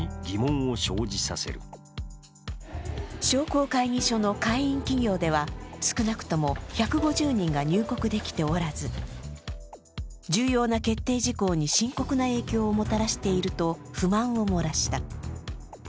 商工会議所の会員企業では少なくとも１５０人が入国できておらず重要な決定事項に深刻な影響をもたらしていると不満を漏らした。